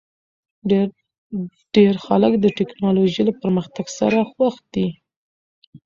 ډېر خلک د ټکنالوژۍ له پرمختګ سره خوښ دي.